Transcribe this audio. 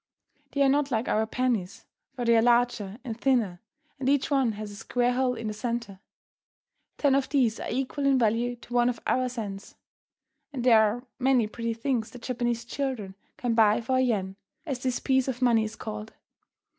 They are not like our pennies, for they are larger and thinner, and each one has a square hole in the centre. Ten of these are equal in value to one of our cents, and there are many pretty things that Japanese children can buy for a yen, as this piece of money is called.